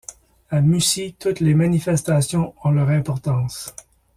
A Mussy toutes les manifestations ont leur importance.